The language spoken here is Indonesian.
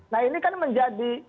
nah ini kan menjadi